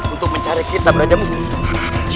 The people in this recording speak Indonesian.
untuk mencari kitab da sozial musyidil